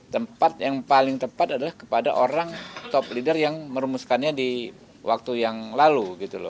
tempat yang paling tepat adalah kepada orang top leader yang merumuskannya di waktu yang lalu gitu loh